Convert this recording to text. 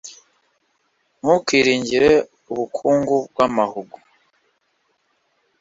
Ntukiringire ubukungu bw’amahugu,